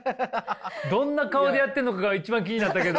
どんな顔でやってんのかが一番気になったけど。